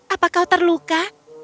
apa kau terluka